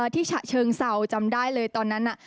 ฉะเชิงเซาจำได้เลยตอนนั้นน่ะ